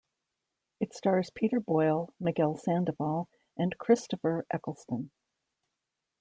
It stars Peter Boyle, Miguel Sandoval and Christopher Eccleston.